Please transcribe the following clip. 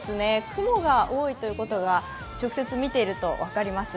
雲が多いということが直接見ていると分かります。